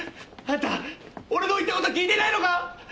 あんた俺の言った事聞いてないのか？